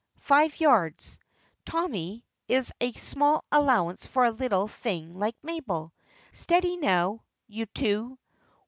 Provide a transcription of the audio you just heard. Five yards, Tommy, is a small allowance for a little thing like Mabel. Steady now, you two!